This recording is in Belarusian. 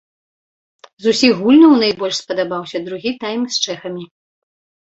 З усіх гульняў найбольш спадабаўся другі тайм з чэхамі.